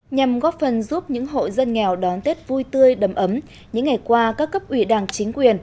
nhằm góp phần giúp những hộ dân nghèo đón tết vui tươi đầm ấm những ngày qua các cấp ủy đảng chính quyền